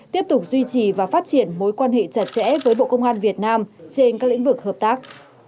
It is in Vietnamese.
tiếp tục duy trì và phát triển mối quan hệ chặt chẽ với bộ công an việt nam trên các lĩnh vực hợp tác